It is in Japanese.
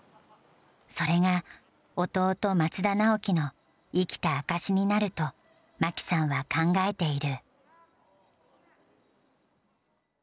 それが弟、松田直樹の生きた証しになると、真紀さんは考えている。